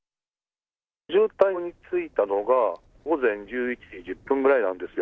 渋滞についたのが、午前１１時１０分ぐらいなんですよ。